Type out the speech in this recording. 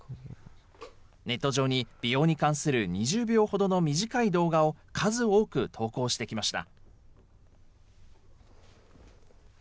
ネット上に美容に関する２０秒ほどの短い動画を数多く投稿してきました。